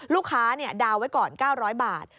ลูกค้าดาวน์ไว้ก่อน๙๐๐บาท